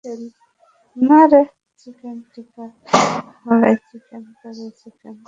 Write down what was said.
Chicken tikka, chicken malai, chicken curry, chicken কড়াই।